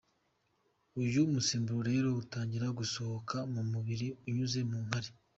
Uyu musemburo rero utangira gusohoka mu mubiri unyuze mu nkari.